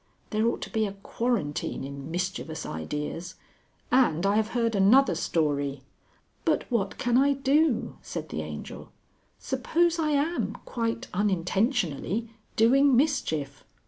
There ought to be a quarantine in mischievous ideas. And I have heard another story...." "But what can I do?" said the Angel. "Suppose I am (quite unintentionally) doing mischief...."